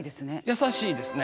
優しいですね。